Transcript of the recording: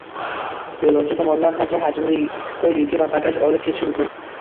Yo‘lovchi tomonidan qancha hajmda qo‘l yuki va bagaj olib ketish mumkin?